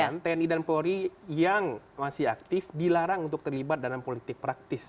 karena tni polri yang masih aktif dilarang untuk terlibat dalam politik praktis